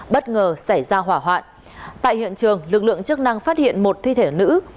bất ngờ xảy ra hỏa hoạn tại hiện trường lực lượng chức năng phát hiện một thi thể nữ